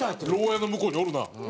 牢屋の向こうにおるな。